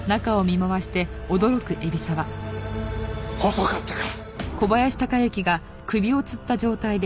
遅かったか。